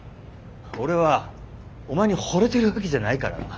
俺はお前にほれてるわけじゃないからな。